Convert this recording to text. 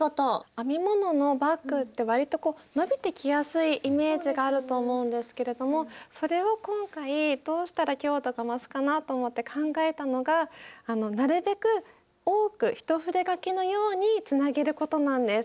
編み物のバッグってわりとこう伸びてきやすいイメージがあると思うんですけれどもそれを今回どうしたら強度が増すかなと思って考えたのがなるべく多く一筆書きのようにつなげることなんです。